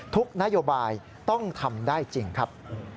ทุกนโยบายต้องทำได้จริงครับ